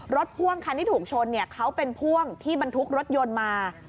พ่วงคันที่ถูกชนเขาเป็นพ่วงที่บรรทุกรถยนต์มา